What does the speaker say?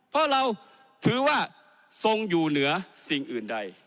เพราะเราถือว่าทรงอยู่เหนือสิ่งอื่นใด